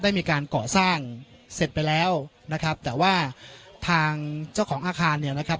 ได้มีการก่อสร้างเสร็จไปแล้วนะครับแต่ว่าทางเจ้าของอาคารเนี่ยนะครับ